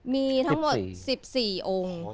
มีทั้งหมด๑๔องค์